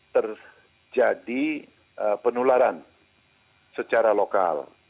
terjadi penularan secara lokal